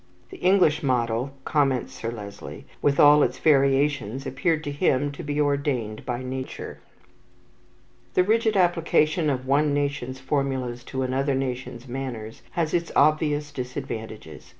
"The English model," comments Sir Leslie, "with all its variations, appeared to him to be ordained by nature." The rigid application of one nation's formulas to another nation's manners has its obvious disadvantages.